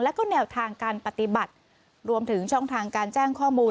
แล้วก็แนวทางการปฏิบัติรวมถึงช่องทางการแจ้งข้อมูล